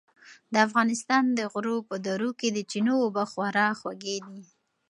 د افغانستان د غرو په درو کې د چینو اوبه خورا خوږې دي.